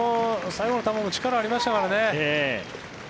最後の球も力がありましたからね。